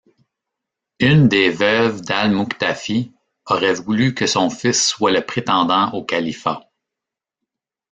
Une des veuves d’Al-Muqtafî aurait voulu que son fils soit le prétendant au califat.